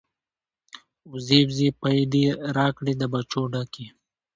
ـ وزې وزې پۍ دې راکړې د پچو ډکې.